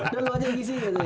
udah lu aja ngisi